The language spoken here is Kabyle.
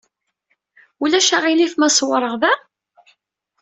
Ulac aɣilif ma ṣewwreɣ da?